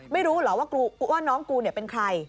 ไม่รู้เหรอว่าน้องกูเป็นใคร